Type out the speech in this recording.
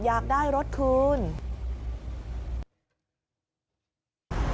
แล้วคุณป้าบอกรถคันเนี้ยเป็นรถคู่ใจเลยนะใช้มานานแล้วในการทำมาหากิน